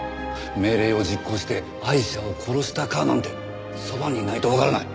命令を実行してアイシャを殺したかなんてそばにいないとわからない。